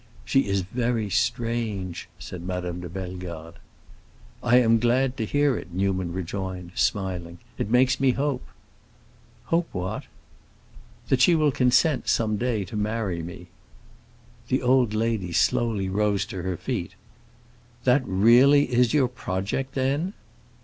"She is very strange," said Madame de Bellegarde. "I am glad to hear it," Newman rejoined, smiling. "It makes me hope." "Hope what?" "That she will consent, some day, to marry me." The old lady slowly rose to her feet. "That really is your project, then?"